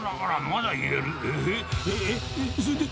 まだ入れるの？